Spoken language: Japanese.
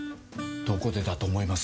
どこでだと思います？